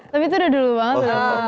tapi itu udah dulu banget